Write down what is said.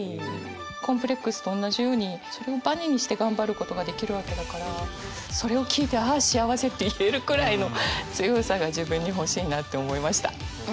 コンプレックスとおんなじようにそれをバネにして頑張ることができるわけだからそれを聞いて「ああ幸せ」って言えるくらいの強さが自分に欲しいなって思いました。